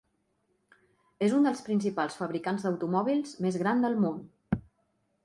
És un dels principals fabricants d'automòbils més gran del món.